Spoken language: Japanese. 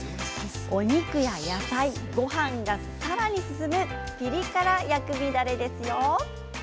お肉や野菜ごはんがさらに進むピリ辛薬味だれですよ。